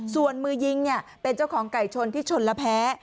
ส่วนมือยิงเป็นเจ้าของไก่ชนที่ชนและแพ้